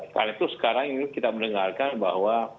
karena itu sekarang ini kita mendengarkan bahwa